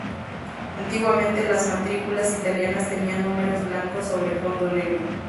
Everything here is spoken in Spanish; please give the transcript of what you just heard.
Antiguamente las matrículas italianas tenían números blancos sobre fondo negro.